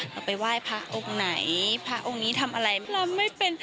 เราไปไหว้พระองค์ไหนพระองค์นี้ทำอะไรเราไม่เป็น